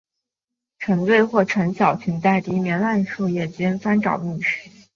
成对或成小群在地面烂树叶间翻找觅食。